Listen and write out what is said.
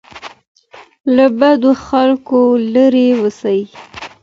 له بدو خلګو لري اوسئ.